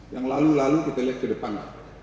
yang lalu lalu kita lihat ke depan